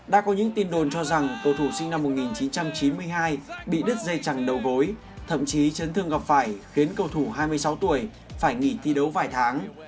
đã có những tin đồn cho rằng cầu thủ sinh năm một nghìn chín trăm chín mươi hai bị đứt dây chẳng đầu gối thậm chí chấn thương gặp phải khiến cầu thủ hai mươi sáu tuổi phải nghỉ thi đấu vài tháng